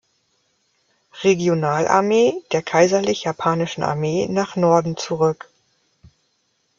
Regionalarmee der Kaiserlich Japanischen Armee nach Norden zurück.